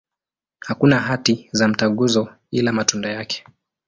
Hakuna hati za mtaguso, ila matunda yake.